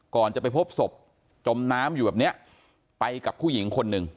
ก่อนจะไปพบศพจมน้ำอยู่แบบเนี้ยไปกับผู้หญิงคนหนึ่ง